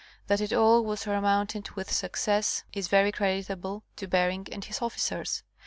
That it all was surmounted with success is very creditable to Bering and his officers.